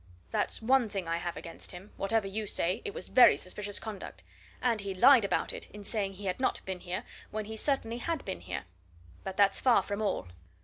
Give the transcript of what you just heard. That's one thing I have against him whatever you say, it was very suspicious conduct; and he lied about it, in saying he had not been here, when he certainly had been here! But that's far from all.